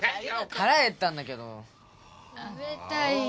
腹減ったんだけど食べたいよ